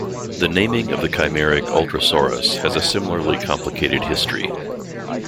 The naming of the chimeric "Ultrasauros" has a similarly complicated history.